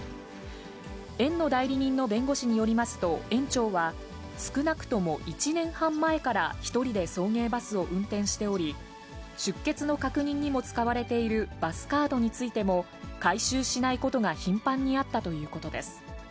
園の代理人の弁護士によりますと、園長は少なくとも１年半前から１人で送迎バスを運転しており、出欠の確認にも使われているバスカードについても、回収しないことが頻繁にあったということです。